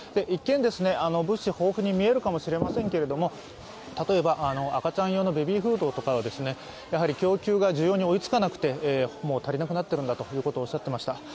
一見、物資、豊富に見えるかもしれませんけど例えば赤ちゃん用のベビーフードとかは供給が需要に追いつかなくて、足りなくなっているんだということをおっしゃっていました。